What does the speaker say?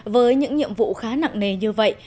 với những nhiệm vụ khá nặng nề như vậy